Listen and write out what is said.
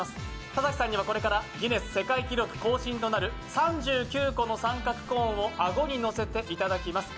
田崎さんにはこれからギネス世界記録更新となる３９個の三角コーンをアゴにのせていただきます。